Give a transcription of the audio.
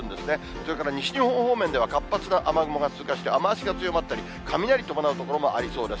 それから西日本方面では活発な雨雲が通過して、雨足が強まったり、雷を伴うところもありそうです。